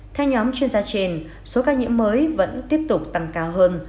theo nhóm chuyên gia trên số ca nhiễm mới vẫn tiếp tục tăng cao hơn